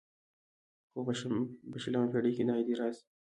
خو په شلمه پېړۍ کې دا اعتراض